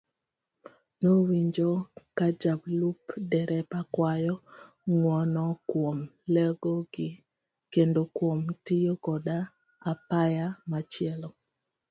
Nowinjo kajalup dereba kwayo ng'uono kuom lewogi kendo kuom tiyo koda apaya machielo.